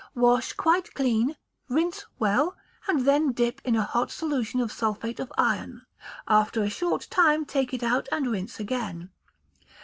Wash quite clean, rinse well, and then dip in a hot solution of sulphate of iron: after a short time take it out and rinse again.